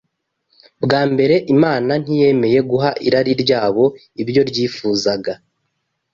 Bwa mbere, Imana ntiyemeye guha irari ryabo ibyo ryifuzaga